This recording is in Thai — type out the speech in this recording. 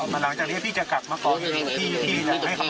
หลังจากบริการ์พี่จะกลับมาฟังครับ